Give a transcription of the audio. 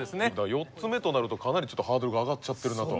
４つ目となるとかなりちょっとハードルが上がっちゃってるなと。